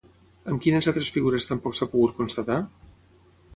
Amb quines altres figures tampoc s'ha pogut constatar?